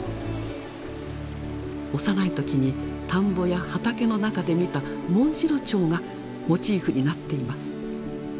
幼い時に田んぼや畑の中で見たモンシロチョウがモチーフになっています。